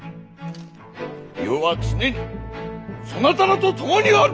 余は常にそなたらと共にある！